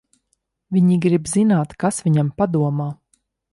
Viņi grib zināt, kas viņam padomā.